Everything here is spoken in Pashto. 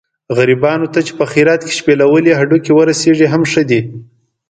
غریبانو ته چې په خیرات کې شپېلولي هډوکي هم ورسېږي ښه دي.